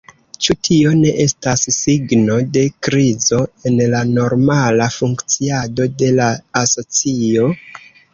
Ĉu tio ne estas signo de krizo en la normala funkciado de la asocio?